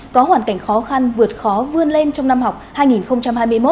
có hoàn cảnh khó khăn vượt khó vươn lên trong năm học hai nghìn hai mươi một hai nghìn hai mươi hai